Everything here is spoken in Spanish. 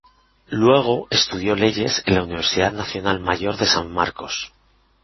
Luego estudió leyes en la Universidad Nacional Mayor de San Marcos.